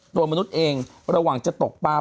มนุษย์เองระหว่างจะตกปลา